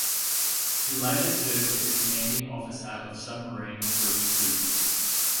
He later served as commanding officer of Submarine Group Two.